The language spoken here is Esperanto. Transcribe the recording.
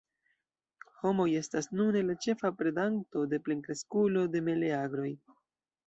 Homoj estas nune la ĉefa predanto de plenkreskulo de meleagroj.